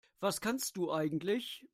Was kannst du eigentlich?